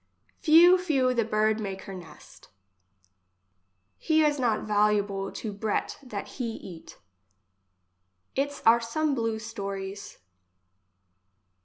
Few, few the bird make her nest He is not valuable to breat that he eat Its are some blu stories.